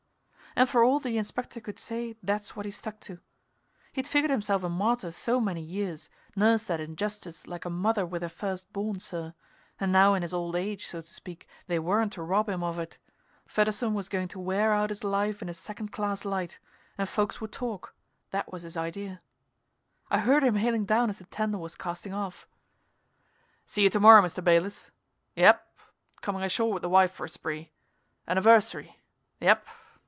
And for all the Inspector could say, that's what he stuck to. He'd figured himself a martyr so many years, nursed that injustice like a mother with her first born, sir; and now in his old age, so to speak, they weren't to rob him of it. Fedderson was going to wear out his life in a second class light, and folks would talk that was his idea. I heard him hailing down as the tender was casting off: "See you to morrow, Mr. Bayliss. Yep. Coming ashore with the wife for a spree. Anniversary. Yep."